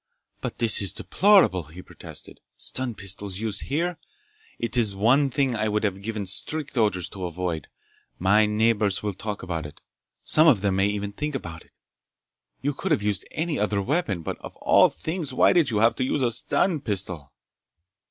"But this is deplorable!" he protested. "Stun pistols used here? It is the one thing I would have given strict orders to avoid! My neighbors will talk about it. Some of them may even think about it! You could have used any other weapon, but of all things why did you have to use a stun pistol?"